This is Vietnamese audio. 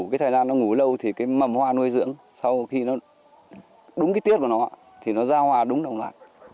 cái thời gian nó ngủ lâu thì cái mầm hoa nuôi dưỡng sau khi nó đúng cái tiết của nó thì nó ra hoa đúng đồng loạt